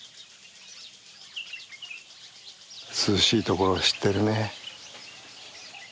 涼しいところを知ってるね。